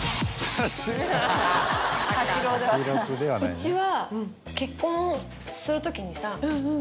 うちは。